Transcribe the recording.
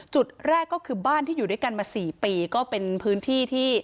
จุดแรกก็คือบ้านที่อยู่ด้วยกันมา๔ปีก็เป็นพื้นที่ที่